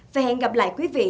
và hẹn gặp lại quý vị